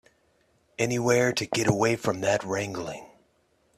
Anywhere to get away from that wrangling.